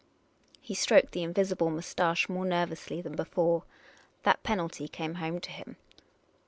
He stroked the invisible moustache more nervously than before. That penalty came home to him.